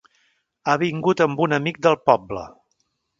Ha vingut amb un amic del poble.